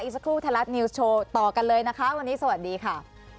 สักครู่ไทยรัฐนิวส์โชว์ต่อกันเลยนะคะวันนี้สวัสดีค่ะ